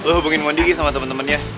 lo hubungin mondigi sama temen temennya